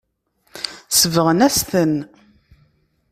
Sebɣen-as-ten.